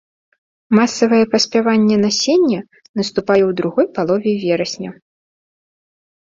Масавае паспяванне насення наступае ў другой палове верасня.